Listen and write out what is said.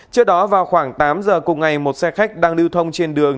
trước đó vào khoảng tám giờ cùng ngày một xe khách đang lưu thông trên đường